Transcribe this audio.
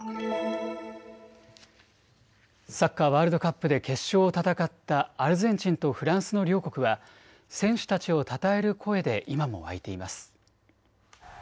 サッカーワールドカップで決勝を戦ったアルゼンチンとフランスの両国は選手たちをたたえる声で今も沸いています。